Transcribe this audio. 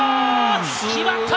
決まった！